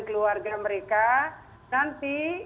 keluarga mereka nanti